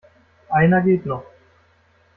Einer geht noch.